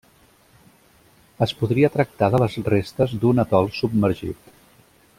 Es podria tractar de les restes d'un atol submergit.